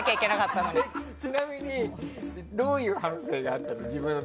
ちなみにどういう反省があったの？